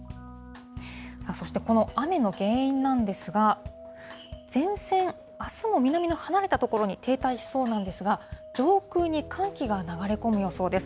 そして、この雨の原因なんですが、前線、あすも南の離れた所に停滞しそうなんですが、上空に寒気が流れ込む予想です。